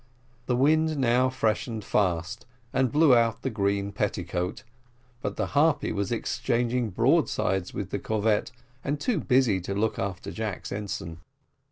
The wind now freshened fast, and blew out the green petticoat, but the Harpy was exchanging broadsides with the corvette, and too busy to look after Jack's ensign.